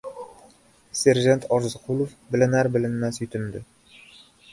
Serjant Orziqulov bilinar-bilinmas yutindi.